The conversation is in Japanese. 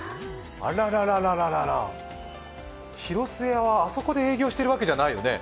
あららら、廣末屋はあそこで営業してるわけじゃないよね。